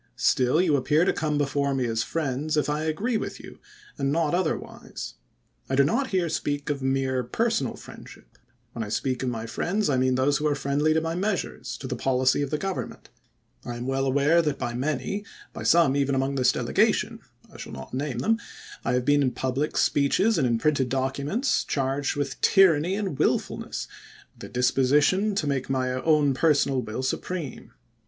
Still you appear to come before me as my friends, if I agree with you, and not otherwise. I do not here speak of mere personal friendship, ^^^len I speak of my friends I mean those who are friendly to my measui'es, to the policy of the Government. I am well aware that by many, by some even among this delega tion— I shall not name them — I have been in public speeches and in j^rinted documents charged with ' tyranny and willfulness,' with a disposition to make my own personal will supreme.